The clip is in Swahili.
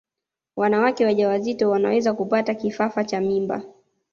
wanawake wajawazito wanaweza kupata kifafa cha mimba